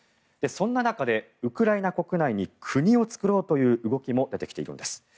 そんな中でウクライナ国内に国を作ろうという動きも出てきているんです。